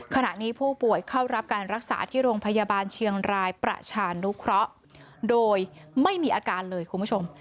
ขณะนี้ผู้ป่วยเข้ารับการรักษาที่โรงพยาบาลเชียงรายประชานุเคราะห์โดยไม่มีอาการเลยคุณผู้ชม